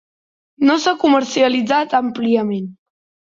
No s'ha comercialitzat àmpliament.